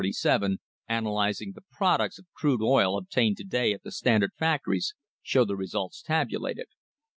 The tables (pages 246 247) analysing the products of crude oil obtained to day at the Standard factories show the results tabulated.